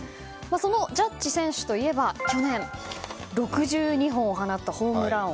そのジャッジ選手といえば去年６２本を放ったホームラン王。